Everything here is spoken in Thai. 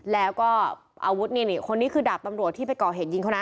แล้วก็อาวุธนี่นี่คนนี้คือดาบตำรวจที่ไปก่อเหตุยิงเขานะ